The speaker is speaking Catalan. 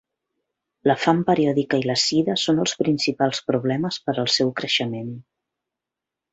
La fam periòdica i la sida són els principals problemes per al seu creixement.